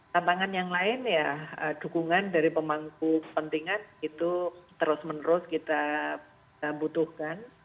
tantangan yang lain ya dukungan dari pemangku kepentingan itu terus menerus kita butuhkan